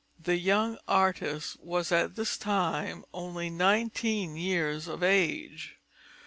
The young artist was at this time only nineteen years of age.